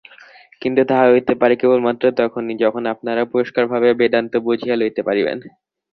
কিন্তু তাহা হইতে পারে কেবলমাত্র তখনই, যখন আপনারা পরিষ্কারভাবে বেদান্ত বুঝিয়া লইতে পারিবেন।